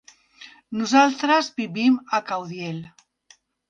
Nosaltres vivim a Caudiel.